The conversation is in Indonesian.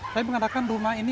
saya mengatakan rumah ini